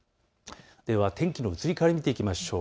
では天気の移り変わりを見ていきましょう。